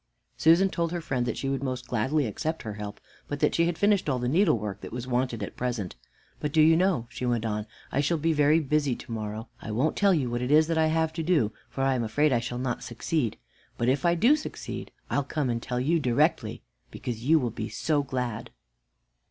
Susan told her friend that she would most gladly accept her help, but that she had finished all the needlework that was wanted at present. "But do you know," she went on, "I shall be very busy to morrow. I won't tell you what it is that I have to do, for I am afraid I shall not succeed, but if I do succeed, I'll come and tell you directly, because you will be so glad."